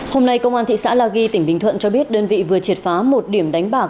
hôm nay công an thị xã la ghi tỉnh bình thuận cho biết đơn vị vừa triệt phá một điểm đánh bạc